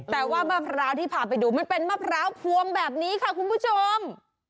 แต่ว่ามะพร้าวที่พาไปดูมันเป็นมะพร้าวพวงแบบนี้ค่ะคุณผู้ชม